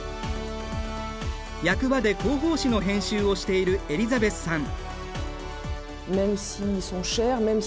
役場で広報誌の編集をしているエリザベスさん。